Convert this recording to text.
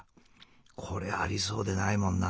これありそうでないもんな。